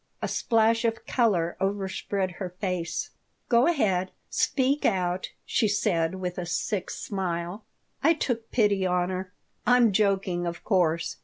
A splash of color overspread her face "Go ahead. Speak out!" she said, with a sick smile I took pity on her. "I'm joking, of course.